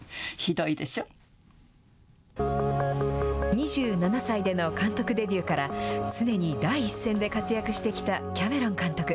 ２７歳での監督デビューから、常に第一線で活躍してきたキャメロン監督。